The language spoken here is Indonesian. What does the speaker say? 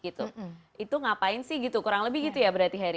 itu ngapain sih gitu kurang lebih gitu ya berarti harry